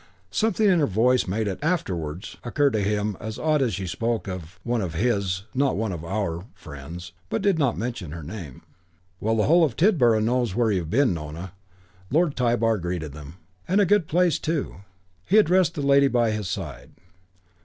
Something in her voice made it afterwards occur to him as odd that she spoke of one of "his", not one of "our" friends, and did not mention her name. "Well, the whole of Tidborough knows where you've been, Nona," Lord Tybar greeted them. "And a good place too." He addressed the lady by his side.